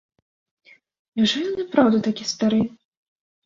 Няўжо ён і праўда такі стары?